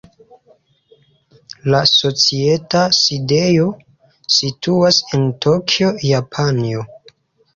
La societa sidejo situas en Tokio, Japanio.